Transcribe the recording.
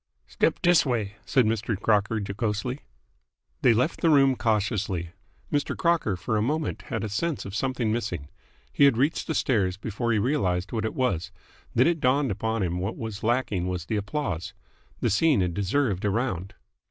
"Step dis way!" said Mr. Crocker jocosely. They left the room cautiously. Mr. Crocker for a moment had a sense of something missing. He had reached the stairs before he realised what it was. Then it dawned upon him that what was lacking was the applause. The scene had deserved a round.